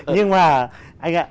nhưng mà anh ạ